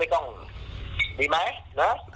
อยากจะให้เร็วที่สุด